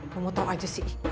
mau tau aja sih